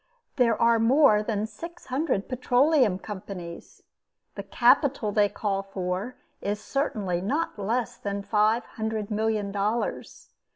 There are more than six hundred petroleum companies. The capital they call for, is certainly not less than five hundred million dollars.